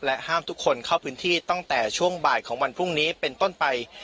ห้ามทุกคนเข้าพื้นที่ตั้งแต่ช่วงบ่ายของวันพรุ่งนี้เป็นต้นไป